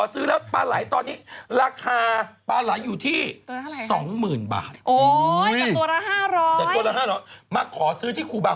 เสร็จตัวละมาขอซื้อที่คูบา